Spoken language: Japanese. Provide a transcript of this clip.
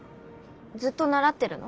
ずっと習ってるの？